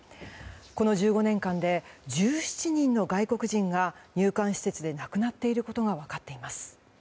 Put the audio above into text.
この１５年間で１７人の外国人が入管施設で亡くなっていることが分かっています。